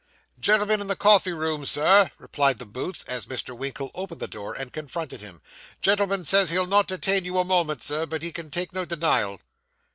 'Gentleman in the coffee room, sir,' replied the Boots, as Mr. Winkle opened the door and confronted him; 'gentleman says he'll not detain you a moment, Sir, but he can take no denial.